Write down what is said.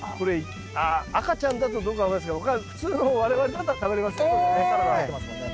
ああ赤ちゃんだとどうか分かんないですけど普通の我々だったら食べれますね。